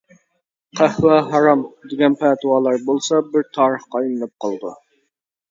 «قەھۋە ھارام» دېگەن پەتىۋالار بولسا بىر تارىخقا ئايلىنىپ قالىدۇ.